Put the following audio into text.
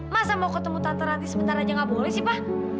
masa mau ketemu tante nanti sebentar aja nggak boleh sih pak